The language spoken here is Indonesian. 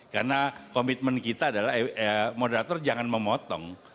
karena komitmen kita adalah moderator jangan memotong